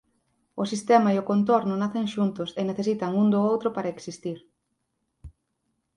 O sistema e o contorno nacen xuntos e necesitan un do outro para existir.